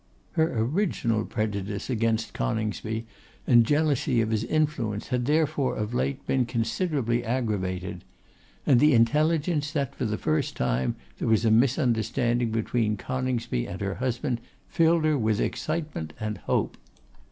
Her original prejudice against Coningsby and jealousy of his influence had therefore of late been considerably aggravated; and the intelligence that for the first time there was a misunderstanding between Coningsby and her husband filled her with excitement and hope.